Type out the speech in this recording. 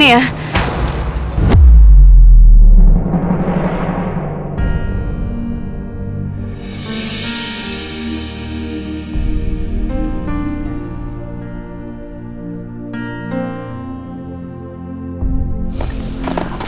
tante aku sudah tersenyum